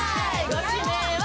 ご指名は？